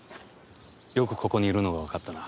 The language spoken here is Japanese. よくここにいるのがわかったな。